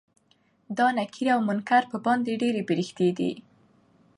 دا نکير او منکر په باندې ډيرې پريښتې دي